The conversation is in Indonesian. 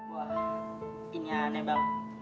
wah ini aneh bang